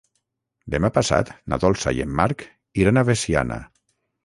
Demà passat na Dolça i en Marc iran a Veciana.